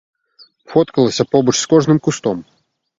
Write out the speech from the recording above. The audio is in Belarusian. Фоткалася побач з кожным кустом.